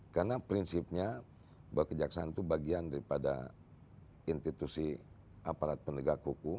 karena prinsipnya bahwa kejaksaan itu bagian daripada institusi aparat penegak hukum